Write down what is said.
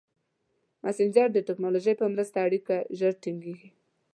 مسېنجر د ټکنالوژۍ په مرسته اړیکه ژر ټینګېږي.